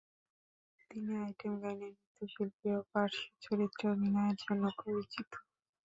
তিনি আইটেম গানে নৃত্যশিল্পী ও পার্শ্বচরিত্রে অভিনয়ের জন্য পরিচিত।